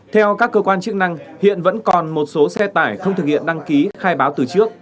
theo các cơ quan chức năng hiện vẫn còn một số xe tải không thực hiện đăng ký khai báo từ trước